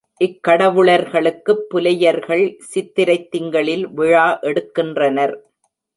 இக்கடவுளர்களுக்குப் புலையர்கள் சித்திரைத் திங்களில் விழா எடுக்கின்றனர்.